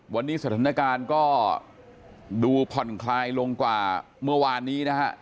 วันนี้สถานการณ์ก็ดูผ่อนคลายลงกว่าเมื่อวานนี้นะฮะ